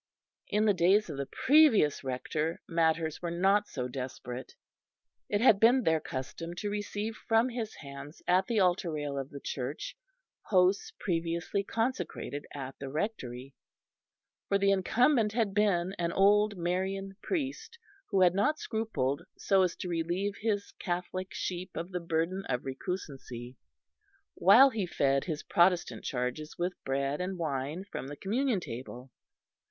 In the days of the previous Rector matters were not so desperate; it had been their custom to receive from his hands at the altar rail of the Church hosts previously consecrated at the Rectory; for the incumbent had been an old Marian priest who had not scrupled so to relieve his Catholic sheep of the burden of recusancy, while he fed his Protestant charges with bread and wine from the Communion table.